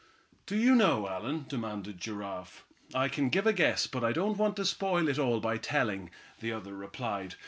"Do you know, Allan?" demanded Giraffe. "I can give a guess, but I don't want to spoil it all by telling," the other replied.